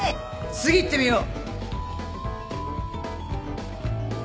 次いってみよう！